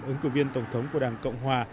ứng cử viên tổng thống của đảng cộng hòa